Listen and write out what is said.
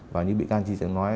và như bị can chi trả nói